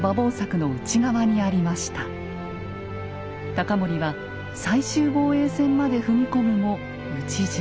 高森は最終防衛線まで踏み込むも討ち死に。